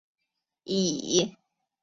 以下的列表列出北朝元魏所有的藩王。